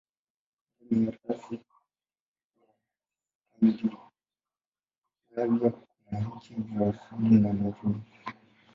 Ndani ya rasi ya Skandinavia kuna nchi za Uswidi na Norwei.